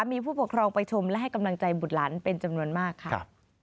มีผู้ปกครองไปชมและให้กำลังใจบุตรหลานเป็นจำนวนมากค่ะ